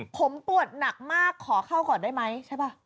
ผมปวดหนักมากขอเข้าก่อนได้ไหมใช่ป่ะ